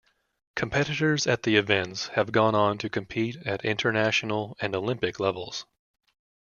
Competitors at the events have gone on to compete at international and Olympic levels.